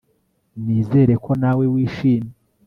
Nizere ko nawe wishimye